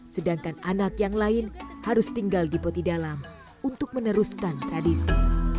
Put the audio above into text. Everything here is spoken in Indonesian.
sedangkan anak yang lain harus tinggal di botidalam untuk meneruskan tradisi